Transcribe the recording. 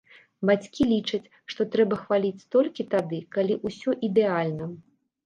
Бацькі лічаць, што трэба хваліць толькі тады, калі ўсё ідэальна.